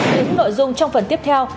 đến nội dung trong phần tiếp theo